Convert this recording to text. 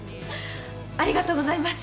ありがとうございます！